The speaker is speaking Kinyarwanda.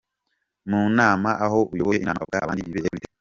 Mu nama aho uyoboye inama avuga abanndi bibereye kuri Tél.